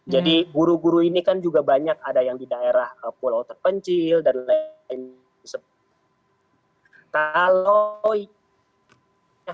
jadi guru guru ini kan juga banyak ada yang di daerah pulau terpencil dan lain sebagainya